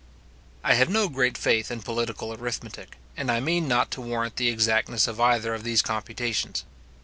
I have no great faith in political arithmetic, and I mean not to warrant the exactness of either of these computations.